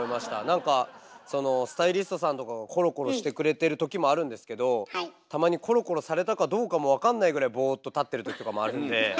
なんかスタイリストさんとかがコロコロしてくれてるときもあるんですけどたまにコロコロされたかどうかもわかんないぐらいボーっと立ってるときとかもあるんで。